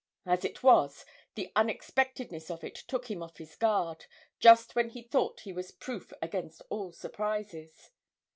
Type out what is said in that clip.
As it was, the unexpectedness of it took him off his guard, just when he thought he was proof against all surprises.